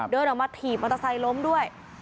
เดินออกมาถีบมอเตอร์ไซค์ล้มด้วย